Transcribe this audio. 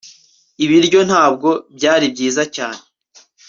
ibiryo ntabwo byari byiza cyane